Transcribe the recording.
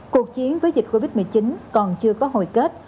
cuộc chiến với dịch covid một mươi chín còn chưa có hồi kết